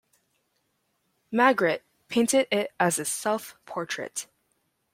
Magritte painted it as a self-portrait.